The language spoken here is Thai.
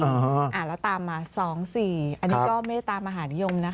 แล้วตามมา๒๔อันนี้ก็เมตามหานิยมนะคะ